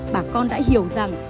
bà con đã hiểu rằng